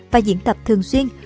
và diễn tập thường xuyên